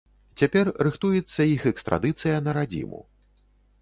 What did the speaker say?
Цяпер рыхтуецца іх экстрадыцыя на радзіму.